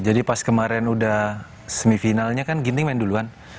jadi pas kemarin udah semifinalnya kan ginting main duluan